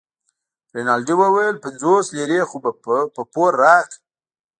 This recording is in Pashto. رینالډي وویل پنځوس لیرې خو په پور راکړه.